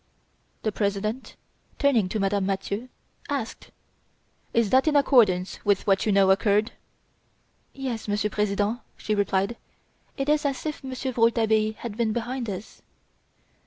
The President turning to Madame Mathieu asked: "Is that in accordance with what you know occurred?" "Yes, Monsieur President," she replied, "it is as if Monsieur Rouletabille had been behind us."